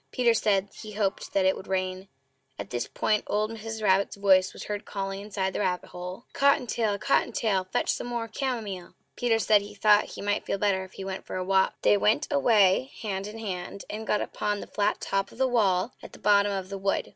Peter said he hoped that it would rain. At this point old Mrs. Rabbit's voice was heard inside the rabbit hole, calling: "Cotton tail! Cotton tail! fetch some more camomile!" Peter said he thought he might feel better if he went for a walk. They went away hand in hand, and got upon the flat top of the wall at the bottom of the wood.